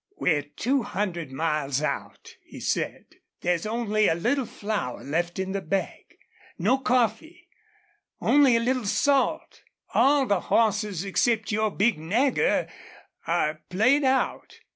"We're two hundred miles out," he said. "There's only a little flour left in the bag. No coffee! Only a little salt! All the hosses except your big Nagger are played out.